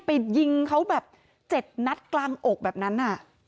ไปยิงเขาแบบ๗นัดกลางอกแบบนั้น